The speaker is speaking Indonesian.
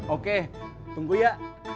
oke tunggu ya